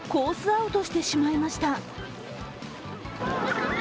アウトしてしまいました。